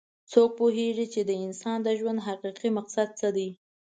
څوک پوهیږي چې د انسان د ژوند حقیقي مقصد څه ده